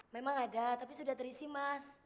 memang ada tapi sudah terisi mas